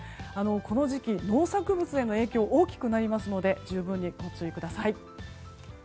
この時期、農作物への影響が大きくなりますので十分にご注意ください。